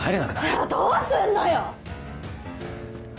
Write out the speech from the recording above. じゃあどうすんのよ！